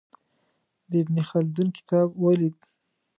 د ابن خلدون کتاب ولید.